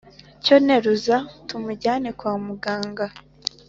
cyo nteruza tumujyane kwa muganga!